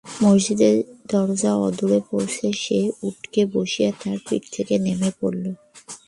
মসজিদের দরজার অদূরে পৌঁছে সে উটকে বসিয়ে তার পিঠ থেকে নেমে পড়ল।